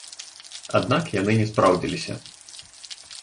Аднак яны не спраўдзіліся.